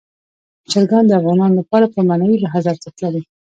چرګان د افغانانو لپاره په معنوي لحاظ ارزښت لري.